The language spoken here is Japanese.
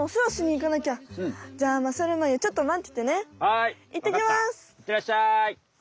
行ってらっしゃい。